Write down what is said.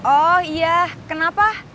oh iya kenapa